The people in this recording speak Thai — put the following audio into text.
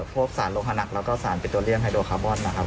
พวกสารโลฮนักแล้วก็สารปิโตเลียนไฮโดคาร์บอนนะครับ